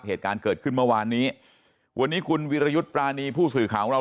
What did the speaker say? เหตุการณ์เกิดขึ้นเมื่อวานนี้วันนี้คุณวิรยุทธ์ปรานีผู้สื่อข่าวของเรา